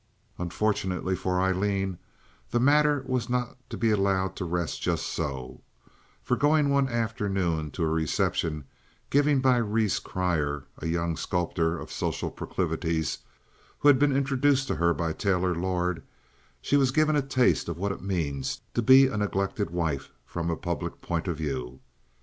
Unfortunately for Aileen, the matter was not to be allowed to rest just so, for going one afternoon to a reception given by Rhees Crier, a young sculptor of social proclivities, who had been introduced to her by Taylor Lord, she was given a taste of what it means to be a neglected wife from a public point of view.